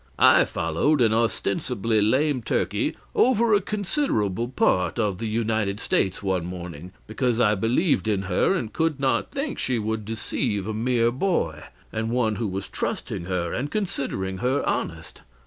I followed an ostensibly lame turkey over a considerable part of the United States one morning, because I believed in her and could not think she would deceive a mere boy, and one who was trusting her and considering her honest.